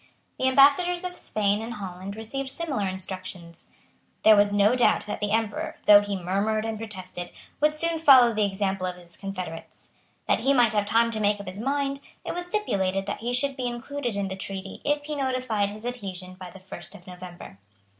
The Ambassadors of Spain and Holland received similar instructions. There was no doubt that the Emperor, though he murmured and protested, would soon follow the example of his confederates. That he might have time to make up his mind, it was stipulated that he should be included in the treaty if he notified his adhesion by the first of November.